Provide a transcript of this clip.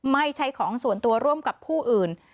ไม่ใช่ของส่วนตัวร่วมกับผู้อื่น